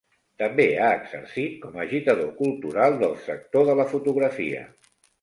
També ha exercit com a agitador cultural del sector de la fotografia.